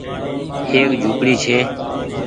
ايڪ جهونپڙي ڇي